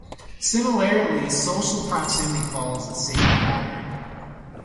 Similarly, "social" proximity follows the same pattern.